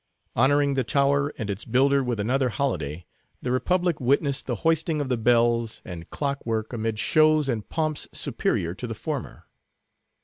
Honoring the tower and its builder with another holiday, the republic witnessed the hoisting of the bells and clock work amid shows and pomps superior to the former.